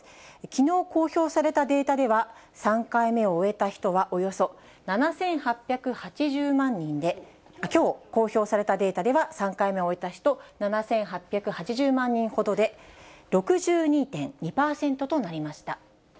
きのう公表されたデータでは、３回目を終えた人はおよそ７８８０万人で、きょう公表されたデータでは、３回目を終えた人、７８８０万人ほどで、６２．２％となりました。